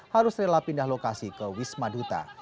harus rela pindah lokasi ke wisma duta